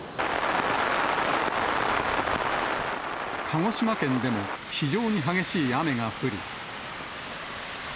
鹿児島県でも、非常に激しい雨が降り。